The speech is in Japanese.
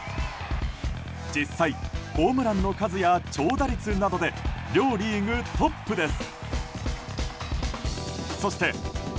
実際、ホームランの数や長打率などで両リーグトップです。